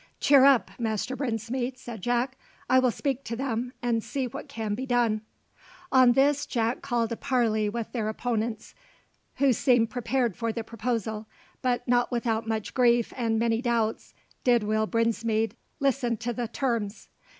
"Cheer up, Master Brinsmead!" said Jack. "I will speak to them, and see what can be done." On this Jack called a parley with their opponents, who seemed prepared for the proposal; but not without much grief and many doubts did Will Brinsmead listen to the terms.